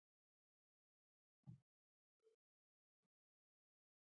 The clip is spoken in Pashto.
کله به مې ویل دا زما ګناه نه ده.